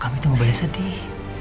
kami tuh gak banyak sedih